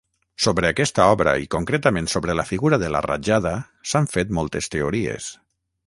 Sobre aquesta obra i concretament sobre la figura de la Rajada s'han fet moltes teories.